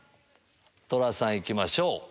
トラさん行きましょう。